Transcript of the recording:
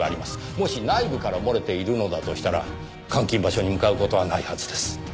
もし内部から漏れているのだとしたら監禁場所に向かう事はないはずです。